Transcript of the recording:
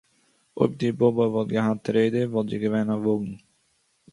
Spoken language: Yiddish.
אױב די באָבע װאָלט געהאַט רעדער, װאָלט זי געװען אַ װאָגן.